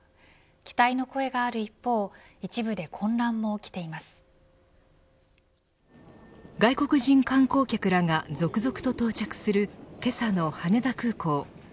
期待の声がある一方、一部で外国人観光客らが続々と到着するけさの羽田空港。